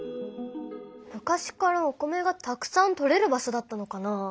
昔からお米がたくさんとれる場所だったのかな？